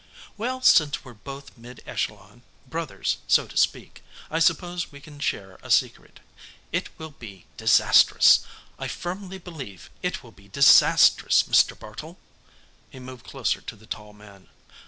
"Well, since we're both Mid Echelon brothers, so to speak I suppose we can share a secret. It will be disastrous! I firmly believe it will be disastrous, Mr. Bartle!" He moved closer to the tall man.